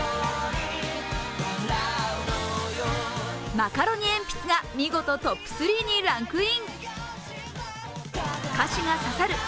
マカロニえんぴつが見事トップ３にランクイン。